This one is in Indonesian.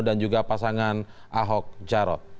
dan juga pasangan ahok jarot